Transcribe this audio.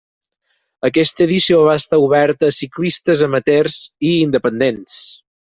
Aquesta edició va estar oberta a ciclistes amateurs i independents.